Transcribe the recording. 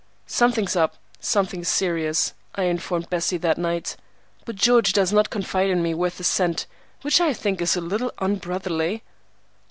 "Something's up—something serious," I informed Bessie that night, "but George does not confide in me worth a cent, which I think is a little unbrotherly."